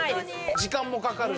時間もかかるし